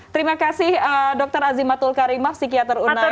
terima kasih dr azimatul karimah psikiater unair